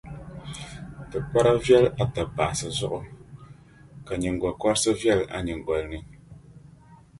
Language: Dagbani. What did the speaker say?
Tibikpara viɛl’ a tapaɣisi zuɣu ka nyiŋgokɔrisi viɛl’ a nyiŋgoli ni.